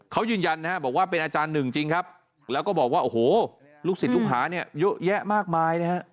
เขายืนยันนะฮะบอกว่าเป็นอาจารย์หนึ่งจริงครับแล้วก็บอกว่าโอ้โหลูกศิษย์ลูกหาเนี่ยเยอะแยะมากมายนะฮะ